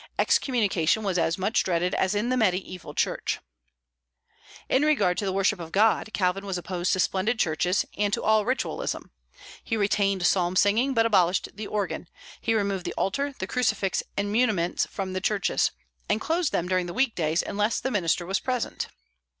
Excommunication was as much dreaded as in the Mediaeval church. In regard to the worship of God, Calvin was opposed to splendid churches, and to all ritualism. He retained psalm singing, but abolished the organ; he removed the altar, the crucifix, and muniments from the churches, and closed them during the week days, unless the minister was present.